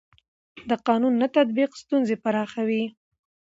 د قانون نه تطبیق ستونزې پراخوي